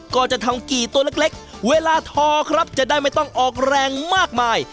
ก็จะทำกี่ตัวเล็กเวลาทอครับจะได้ไม่ต้องออกแรงมากมาย